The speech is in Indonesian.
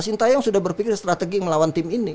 sintayong sudah berpikir strategi melawan tim ini